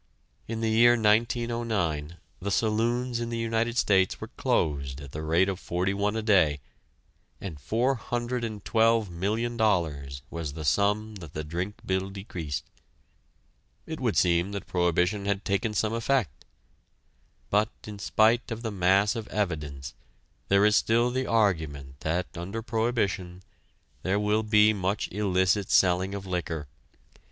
In the year 1909 the saloons in the United States were closed at the rate of forty one a day, and $412,000,000 was the sum that the drink bill decreased. It would seem that prohibition had taken some effect. But, in spite of the mass of evidence, there is still the argument that, under prohibition, there will be much illicit selling of liquor.